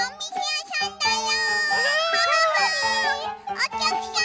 おきゃくさん